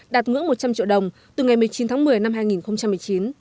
đạt ngưỡng một trăm linh triệu đồng từ ngày một mươi chín tháng một mươi năm hai nghìn một mươi chín